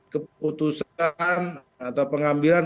keputusan atau pengambilan